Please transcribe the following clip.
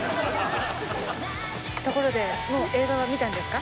ところでもう映画は見たんですか？